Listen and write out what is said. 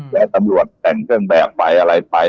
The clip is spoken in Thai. แล้วตำรวจแต่งเครื่องแบบไปอะไรไป